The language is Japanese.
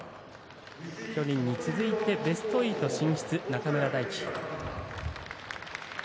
去年に続いてベスト８進出中村泰輝。